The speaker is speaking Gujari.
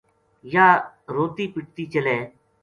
یاہ روتی پٹتی چلے